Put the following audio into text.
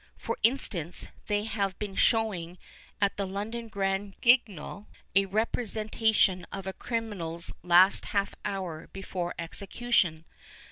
For instance, they liavc been showing at the London Grand Guipnol a repre sentation of a criminal's last half hour before execu tion.